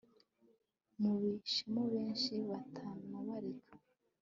mubishemo benshi batanabalika